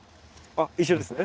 あっ一緒ですね。